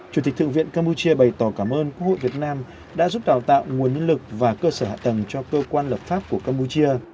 chủ tịch thượng viện campuchia bày tỏ cảm ơn quốc hội việt nam đã giúp đào tạo nguồn nhân lực và cơ sở hạ tầng cho cơ quan lập pháp của campuchia